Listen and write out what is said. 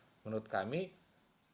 yang sudah keterumbuk ke irlanda keras